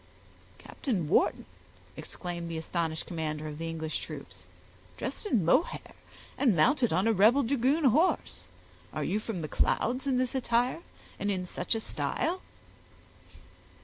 "Captain Wharton!" exclaimed the astonished commander of the English troops, "dressed in mohair, and mounted on a rebel dragoon horse! Are you from the clouds in this attire, and in such a style?"